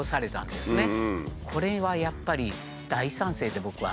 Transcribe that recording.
これはやっぱり大賛成で僕は。